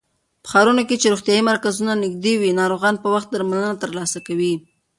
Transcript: په ښارونو کې چې روغتيايي مرکزونه نږدې وي، ناروغان په وخت درملنه ترلاسه کوي.